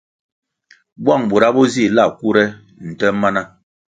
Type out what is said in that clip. Bwang bura bo zih la kure nte mana.